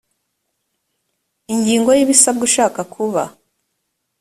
ingingo ya ibisabwa ushaka kuba